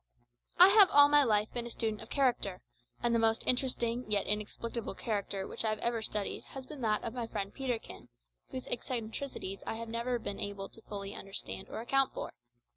I have all my life been a student of character, and the most interesting yet inexplicable character which I have ever studied has been that of my friend Peterkin, whose eccentricities I have never been able fully to understand or account for.